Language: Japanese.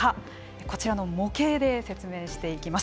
こちらの模型で説明していきます。